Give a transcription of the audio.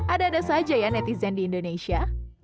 ada ada saja ya netizen di indonesia